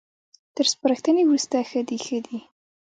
تر سپارښتنې وروسته ښه ديښه دي